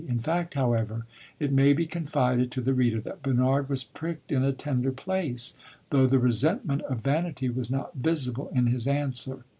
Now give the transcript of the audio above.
In fact, however, it may be confided to the reader that Bernard was pricked in a tender place, though the resentment of vanity was not visible in his answer.